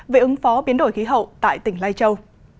về ứng phó biến đổi khí hậu tại tỉnh lai châu